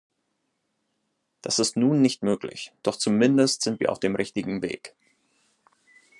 Das ist nun nicht möglich, doch zumindest sind wir auf dem richtigen Weg.